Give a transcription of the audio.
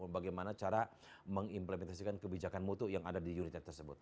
bagaimana cara mengimplementasikan kebijakan mutu yang ada di united tersebut